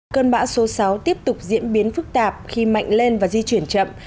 cơn bão số sáu tiếp tục diễn biến phức tạp khi mạnh lên và di chuyển chậm